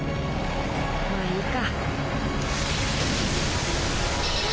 まあいいか。